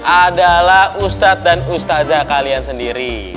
adalah ustadz dan ustazah kalian sendiri